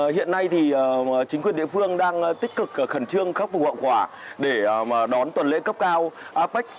hiện nay thì chính quyền địa phương đang tích cực khẩn trương khắc phục hậu quả để đón tuần lễ cấp cao apec